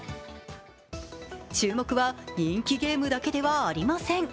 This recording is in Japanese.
注目は人気ゲームだけではありません。